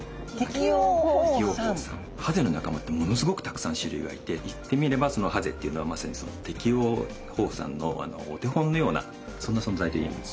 ハゼの仲間ってものすごくたくさん種類がいて言ってみればハゼっていうのはまさにその適応放散のお手本のようなそんな存在といえます。